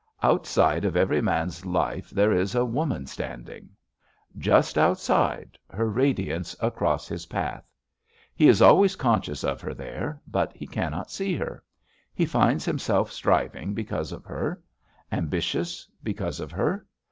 Outside of every man's life there is a woman standing — ^just outside, her radiance across his path. He is always con scious of her there, but he cannot see her. He finds himself striving because of her; ambi tious, because of her.